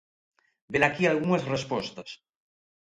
Velaquí algunhas respostas.